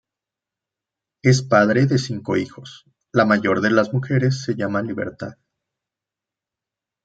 Es padre de cinco hijos, la mayor de las mujeres se llama libertad.